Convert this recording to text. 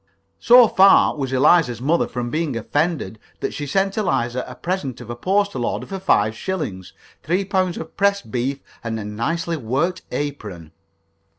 So far was Eliza's mother from being offended that she sent Eliza a present of a postal order for five shillings, three pounds of pressed beef, and a nicely worked apron.